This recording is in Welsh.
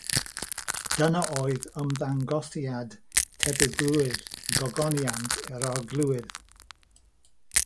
Dyna oedd ymddangosiad tebygrwydd gogoniant yr Arglwydd.